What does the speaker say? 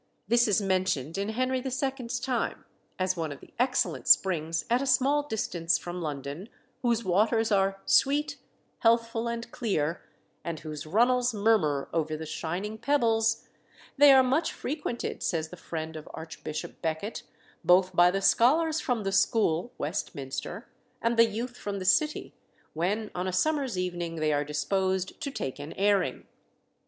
This is mentioned in Henry II.'s time as one of the excellent springs at a small distance from London, whose waters are "sweet, healthful, and clear, and whose runnels murmur over the shining pebbles: they are much frequented," says the friend of Archbishop Becket, "both by the scholars from the school (Westminster) and the youth from the City, when on a summer's evening they are disposed to take an airing."